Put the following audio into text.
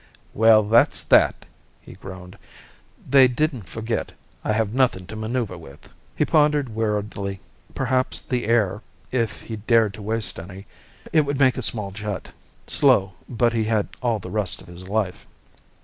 "Well, that's that!" he groaned. "They didn't forget. I have nothing to maneuver with." He pondered worriedly. Perhaps the air if he dared to waste any, it would make a small jet. Slow, but he had all the rest of his life!